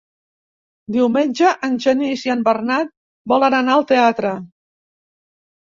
Diumenge en Genís i en Bernat volen anar al teatre.